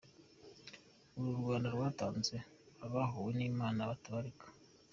Uru Rwanda rwatanze abahowe n’Imana batabarika